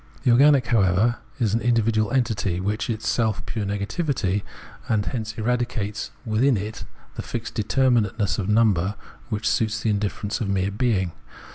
The organic, however, is an individual entity, which is itself pure negativity, and hence eradicates within it the fixed determinateness of number, which suits the indifference of mere being.